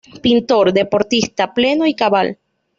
Pintor, deportista pleno y cabal.